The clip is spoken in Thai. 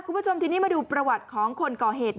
คุณผู้ชมทีนี้มาดูประวัติของคนก่อเหตุ